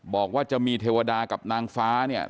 บอกว่าจะมีเทวดากับนางฟ้าเนี่ย